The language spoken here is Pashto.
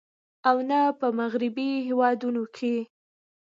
او نۀ په مغربي هېوادونو کښې